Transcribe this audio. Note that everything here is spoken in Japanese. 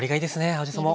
青じそも。